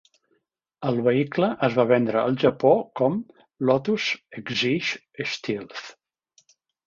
El vehicle es va vendre al Japó com "Lotus Exige Stealth".